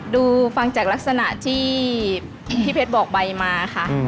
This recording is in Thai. ดูฟังจากลักษณะที่พี่เพชรบอกใบมาค่ะ